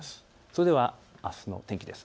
それではあすの天気です。